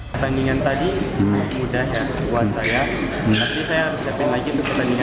pertandingan tadi mudah ya buat saya